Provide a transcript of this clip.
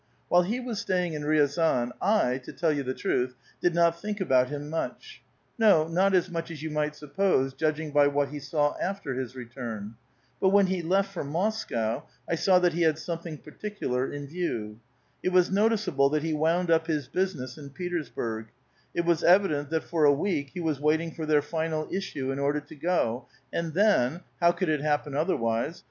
While he was sta3nng in Kiazan, 1, to tell you the truth, did not think about him much ; no, not as much as you might suppose, judging by whfit he saw after his return. But when he left for Moscow, I saw that he had something particular in view. It was noticeable that he wound up his business in Petersburg ; it was evident that for a week he was waiting for their final issue in order to go, and tlien — how could it happen other wise?